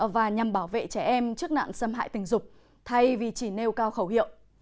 và nhằm bảo vệ trẻ em trước nạn xâm hại tình dục thay vì chỉ nêu cao khẩu hiệu